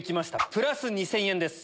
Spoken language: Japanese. プラス２０００円です。